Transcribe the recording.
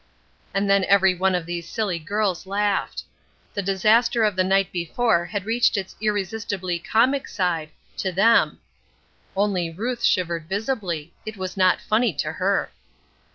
And then every one of these silly girls laughed. The disaster of the night before had reached its irresistibly comic side to them. Only Ruth shivered visibly; it was not funny to her.